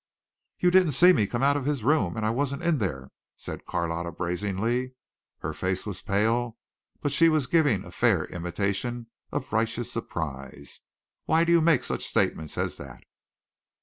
"You didn't see me come out of his room and I wasn't in there," said Carlotta brazenly. Her face was pale, but she was giving a fair imitation of righteous surprise. "Why do you make any such statement as that?"